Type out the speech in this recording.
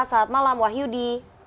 selamat malam wahyudi